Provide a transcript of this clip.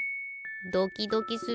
ドキドキする。